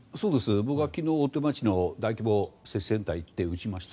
僕は昨日、大手町の大規模接種センターに行って打ちました。